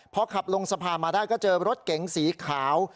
พอขับลงสะพานมาได้ก็เจอรถเก๋งสีขาว